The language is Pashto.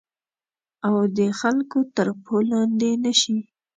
او د خلګو تر پښو لاندي نه شي